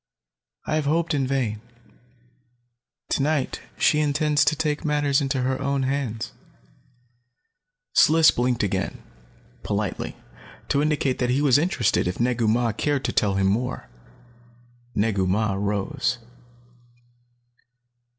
I have hoped in vain. Tonight she intends to take matters into her own hands." Sliss blinked again, politely, to indicate that he was interested if Negu Mah cared to tell him more. Negu Mah rose.